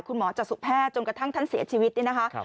คุณหมอจะสุแพทย์จนกระทั่งท่านเสียชีวิตนะคะ